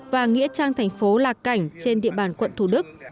và nghĩa trang tp hcm lạc cảnh trên địa bàn quận thủ đức